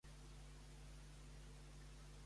I si m'obres l'"Among us", que vull jugar?